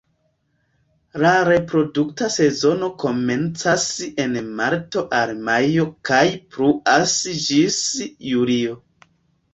La reprodukta sezono komencas en marto al majo kaj pluas ĝis julio.